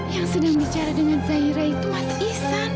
yang sedang bicara dengan zahira itu mas ihsan